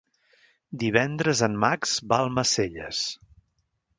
Divendres en Max va a Almacelles.